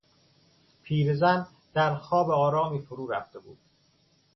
پیرزن در خواب آرامی فرورفته بود.